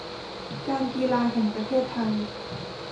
การกีฬาแห่งประเทศไทย